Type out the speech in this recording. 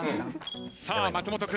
さあ松本君。